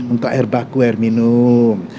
untuk air baku air minum